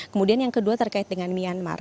kemudian yang kedua terkait dengan myanmar